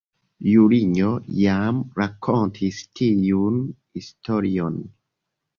Julinjo, jam rakontis tiun historion.